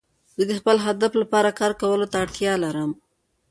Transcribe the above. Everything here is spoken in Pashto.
زه د خپل هدف لپاره کار کولو ته اړتیا لرم.